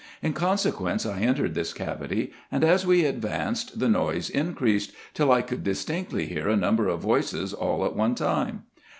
In consequence I entered this cavity; and as we advanced the noise increased, till I could distinctly hear a number of voices all at one time.